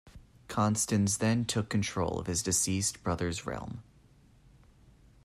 Constans then took control of his deceased brother's realm.